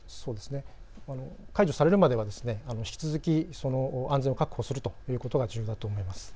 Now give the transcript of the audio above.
解除されるまでは引き続き安全を確保するということが重要だと思います。